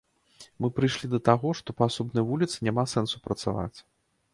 Мы прыйшлі да таго, што па асобнай вуліцы няма сэнсу працаваць.